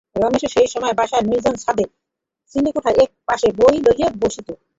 রমেশও সেই সময়ে বাসার নির্জন ছাদে চিলেকোঠার এক পাশে বই লইয়া বসিত।